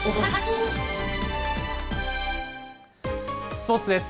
スポーツです。